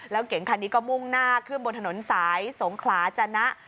แล้วเก่งคันนี้ก็มุ่งหน้าขึ้นบนถนนสายสงขลาจนะ